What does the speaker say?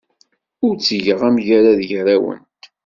Ur ttgeɣ amgerrad gar-awent.